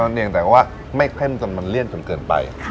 เนียงแต่ว่าไม่เข้มจนมันเลี่ยนจนเกินไป